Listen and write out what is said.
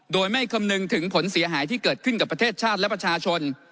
โดยไม่คำนึงถึงผลเสียหายที่เกิดขึ้นกับประเทศชาติและประชาชน